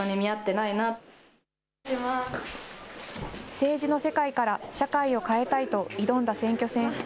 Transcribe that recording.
政治の世界から社会を変えたいと挑んだ選挙戦。